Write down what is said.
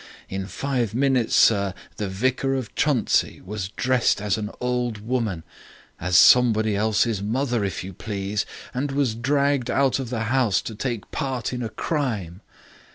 In five minutes, sir, the Vicar of Chuntsey was dressed as an old woman as somebody else's mother, if you please and was dragged out of the house to take part in a crime.